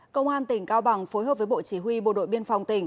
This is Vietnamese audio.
công an tỉnh cao bằng phối hợp với bộ chỉ huy bộ đội biên phòng tỉnh